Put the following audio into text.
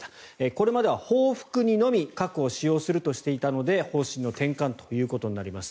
これまでは報復にのみ核を使用するとしていたので方針の転換となります。